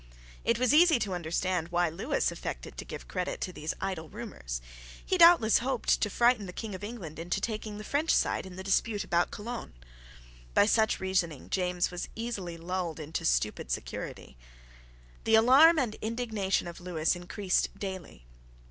It was easy to understand why Lewis affected to give credit to these idle rumours. He doubtless hoped to frighten the King of England into taking the French side in the dispute about Cologne. By such reasoning James was easily lulled into stupid security. The alarm and indignation of Lewis increased daily.